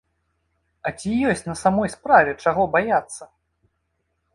А ці ёсць на самой справе чаго баяцца?